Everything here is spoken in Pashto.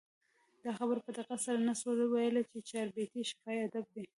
دا خبره په دقت سره نه سو ویلي، چي چاربیتې شفاهي ادب دئ.